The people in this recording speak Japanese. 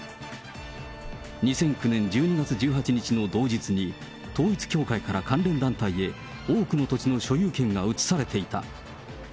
２００９年１２月１８日の同日に、統一教会から関連団体へ、多くの土地の所有権が移されていた。